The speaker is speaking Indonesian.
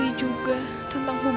terima kasih variasi id dan akan selamat